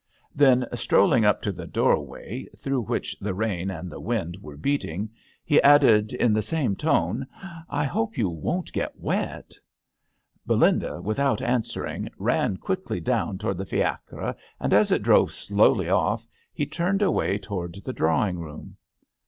'* Then, strolling up to the door way, through which the rain and the wind were beating, he added, in the same tone, ^' I hope you won't get wet." Belinda, without answering, 30 THE HOTEL D'ANGLETERRE. ran quickly down towards the fiacre^ and as it drove slowly o£F he turned away towards the drawing room.